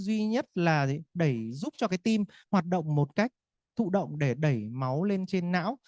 duy nhất là để giúp cho cái tim hoạt động một cách thụ động để đẩy máu lên trên não